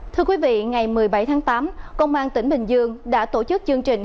thưa quý vị ngày một mươi bảy tháng tám công an tỉnh bình dương đã tổ chức chương trình